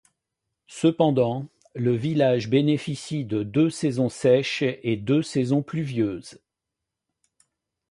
Cependant, le village bénéficie de deux saisons sèches et deux saisons pluvieuses.